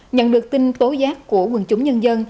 nhận được tin tố giác của quần chúng nhân dân